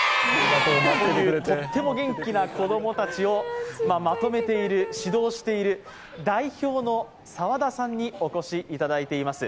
とっても元気な子供たちをまとめている、指導している代表の澤田さんにお越しいただいています。